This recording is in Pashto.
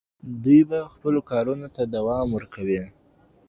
دوی به خپلو کارونو ته دوام ورکوي.